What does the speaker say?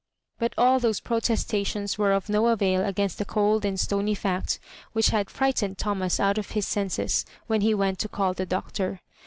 But all those protestations were of no avail against the cold and stony fact whidi had frightened Thomas out of his senses, when he went to call the Doctor.